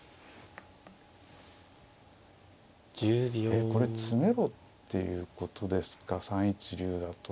えこれ詰めろっていうことですか３一竜だと。